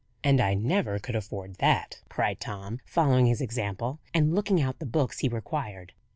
"And I never could afford that," cried Tom, following his example, and looking out the books he required.